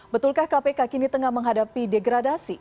betulkah kpk kini tengah menghadapi degradasi